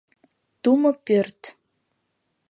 Тумо пӧрт.